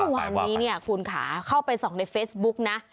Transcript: วันนี้เนี่ยคุณค่ะเข้าไปส่องในเฟซบุ๊กนะ